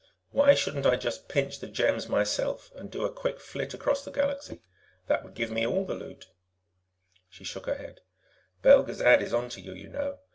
Why shouldn't I just pinch the gems myself and do a quick flit across the Galaxy? That would give me all the loot." She shook her head. "Belgezad is on to you, you know.